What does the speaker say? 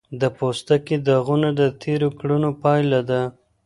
د پوستکي داغونه د تېرو کړنو پایله ده.